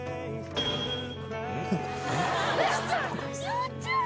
よっちゃん！